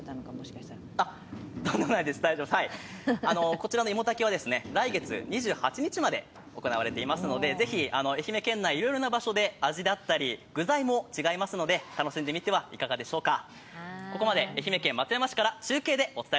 こちらのいも炊きは来月２８日まで行われていますので是非愛媛県内、いろいろな場所で味だったり具材も違いますので楽しんでみてはいかがでしょうか。